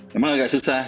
memang agak susah